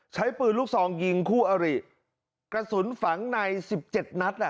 ใช้ปืนลูกซองยิงคู่อริกระสุนฝังในสิบเจ็ดนัดอ่ะ